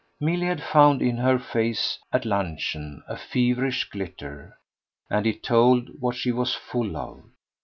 Milly had found in her face at luncheon a feverish glitter, and it told what she was full of.